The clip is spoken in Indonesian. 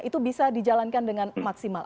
itu bisa dijalankan dengan maksimal